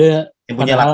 yang punya laki